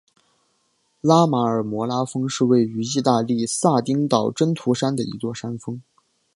拉马尔摩拉峰是位于义大利撒丁岛真图山的一座山峰。